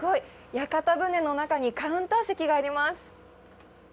屋形船の中にカウンター席があります。